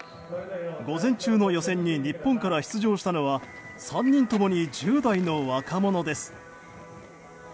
午前中の予選に日本から出場したのは３人共に１０代の若者です。